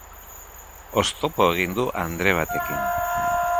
Oztopo egin du andre batekin.